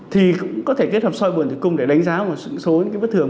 thì cũng có thể kết hợp soi buồn tử cung để đánh giá một số những cái bất thường